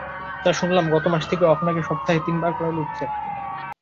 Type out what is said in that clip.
যা শুনলাম, গত মাস থেকে ও আপনাকে সপ্তাহে তিনবার করে লুটছে।